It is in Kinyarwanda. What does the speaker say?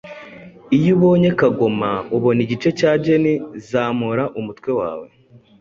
Iyo ubonye kagoma, ubona igice cya Geni Zamura umutwe wawe!